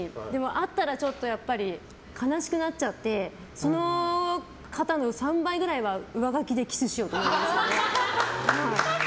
あったらちょっとやっぱり悲しくなっちゃってその方の３倍ぐらいは上書きでキスしようって思いますよね。